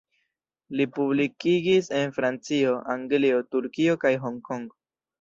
Li publikigis en Francio, Anglio, Turkio kaj Hong Kong.